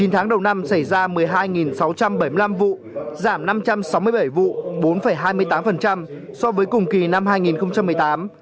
chín tháng đầu năm xảy ra một mươi hai sáu trăm bảy mươi năm vụ giảm năm trăm sáu mươi bảy vụ bốn hai mươi tám so với cùng kỳ năm hai nghìn một mươi tám